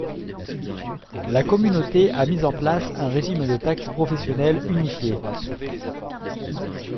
La communauté a mis en place un régime de taxe professionnelle unifiée.